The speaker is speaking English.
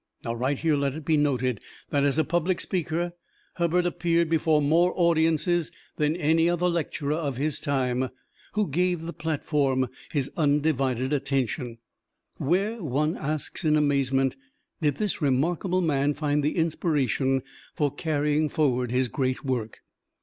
Right here let it be noted that, as a public speaker, Hubbard appeared before more audiences than any other lecturer of his time who gave the platform his undivided attention. Where, one asks in amazement, did this remarkable man find the inspiration for carrying forward his great work?